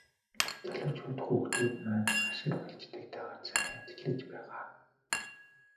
Залуучууд хүүхдүүд маань хашир малчдыг дагаад сайн ажиллаж байгаа.